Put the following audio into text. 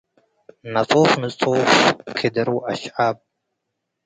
ነጹፍ ኑጹፍ - ክደር ወአሽዓብ